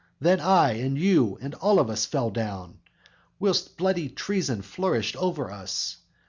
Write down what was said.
Then I and you and all of us fell down Whilst bloody treason flourished over us.